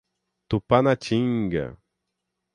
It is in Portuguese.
Tupanatinga